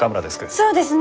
そうですね。